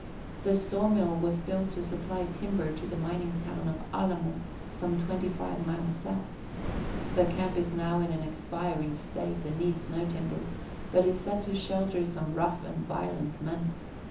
The saw mill was built to supply timber to the mining town of Alamo, some twenty five miles south. The camp is now in an expiring state and needs no timber, but is said to shelter some rough and violent men.